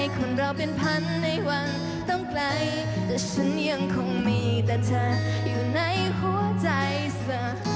เขาพอเด็นเลยแล้วอย่างใจฉันสั่น